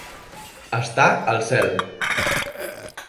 Estar al cel.